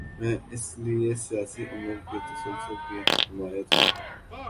میں اسی لیے سیاسی عمل کے تسلسل کی حمایت کرتا ہوں۔